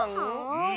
うん。